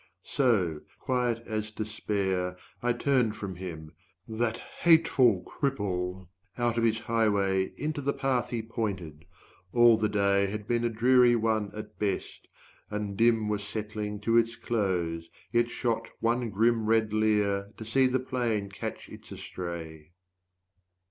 So, quiet as despair, I turned from him, That hateful cripple, out of his highway Into the path he pointed. All the day 45 Had been a dreary one at best, and dim Was settling to its close, yet shot one grim Red leer to see the plain catch its estray.